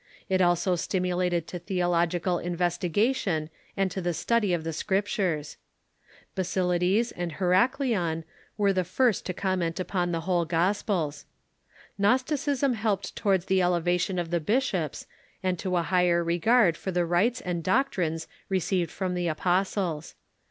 It also stimulated to theological in vestigation and to the study of the Scriptures. Basilides and Ilcracleon were the first to comment upon the whole Gospels. Gnosticism helped towards the elevation of the bishops, and to a higher regard for the rites and doctrines received from the apostles.